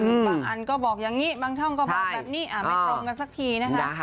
บางอันก็บอกอย่างนี้บางช่องก็บอกแบบนี้ไม่ตรงกันสักทีนะคะ